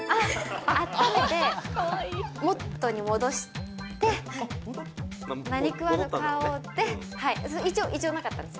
あっためて、元に戻して、何食わぬ顔で一応、異常なかったんです。